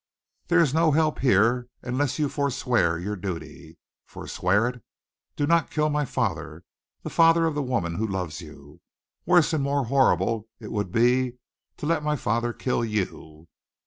"There is no help here unless you forswear your duty. Forswear it! Do not kill my father the father of the woman who loves you. Worse and more horrible it would be to let my father kill you!